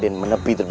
dan menangkan mereka